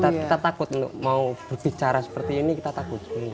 kalau kita takut untuk mau berbicara seperti ini kita takut